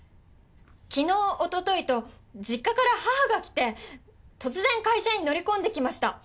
昨日おとといと実家から母が来て突然会社に乗り込んできました。